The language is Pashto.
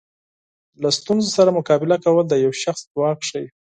له ستونزو سره مقابله کول د یو شخص ځواک ښیي.